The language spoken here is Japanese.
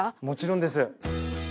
もちろんです。